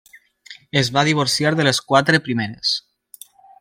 Es va divorciar de les quatre primeres.